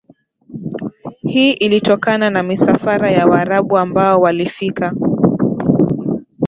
hii ilitokana na misafara ya waarabu ambao walifika